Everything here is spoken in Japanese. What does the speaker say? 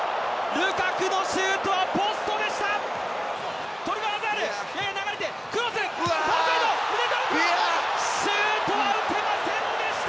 ルカクのシュートはポストでした。